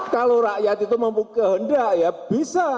kalau rakyat itu mempunyai kehendak ya bisa